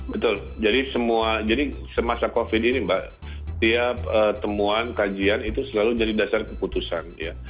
betul jadi semua jadi semasa covid ini mbak tiap temuan kajian itu selalu jadi dasar keputusan ya